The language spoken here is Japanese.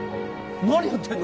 何やってんの？